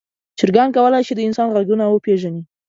چرګان کولی شي د انسان غږونه وپیژني.